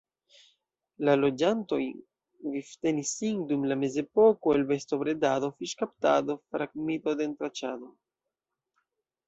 La loĝantoj vivtenis sin dum la mezepoko el bestobredado, fiŝkaptado, fragmito-detranĉado.